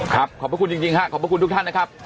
ครับขอบคุณจริงจริงฮะขอบคุณทุกท่านนะครับ